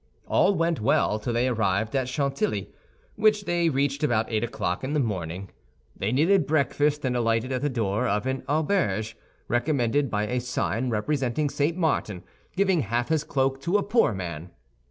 All went well till they arrived at Chantilly, which they reached about eight o'clock in the morning. They needed breakfast, and alighted at the door of an auberge, recommended by a sign representing St. Martin giving half his cloak to a poor man.